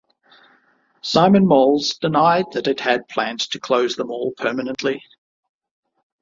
Simon Malls denied that it had plans to close the mall permanently.